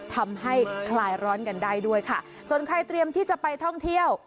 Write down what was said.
คลายร้อนกันได้ด้วยค่ะส่วนใครเตรียมที่จะไปท่องเที่ยว